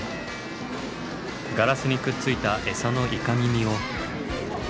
ガラスにくっついたエサのイカミミを。